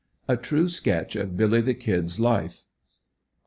A TRUE SKETCH OF "BILLY THE KID'S" LIFE.